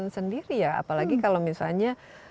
sendiri ya apalagi kalau misalnya